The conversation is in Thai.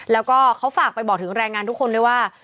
แล้วก็เขาฝากไปบอกถึงแรงงานทุกคนด้วยว่า